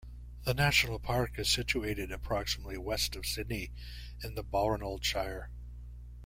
The national park is situated approximately west of Sydney in the Balranald Shire.